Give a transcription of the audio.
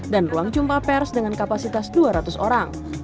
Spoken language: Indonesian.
dan ruang jumpa pers dengan kapasitas dua ratus orang